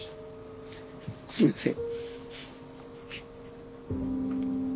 すいません。